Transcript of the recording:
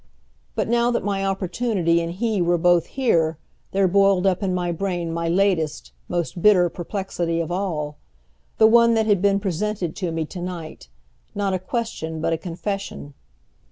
But now that my opportunity and he were both here there boiled up in my brain my latest, most bitter perplexity of all, the one that had been presented to me tonight, not a question but a confession.